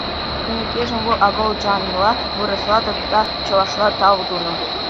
Кӗнекешӗн вӑл акӑлчанла, вырӑсла тата чӑвашла тав тунӑ.